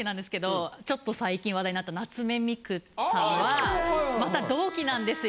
ちょっと最近話題になった夏目三久さんはまた同期なんですよ。